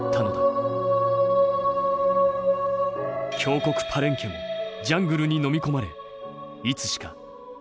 強国パレンケもジャングルに飲み込まれいつしか存在すら忘れられた。